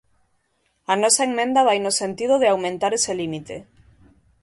A nosa emenda vai no sentido de aumentar ese límite.